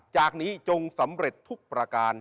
จากนี้จงสำเร็จทุกประการ